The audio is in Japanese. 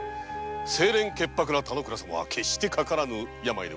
清廉潔白な田之倉様は決してかからぬ病。